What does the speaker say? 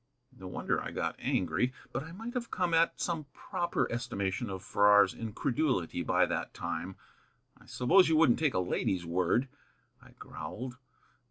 No wonder I got angry. But I might have come at some proper estimation of Farrar's incredulity by that time. "I suppose you wouldn't take a lady's word," I growled.